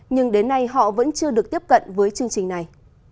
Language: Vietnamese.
nhưng đến nay họ vẫn chưa được tiếp cận với chương trình này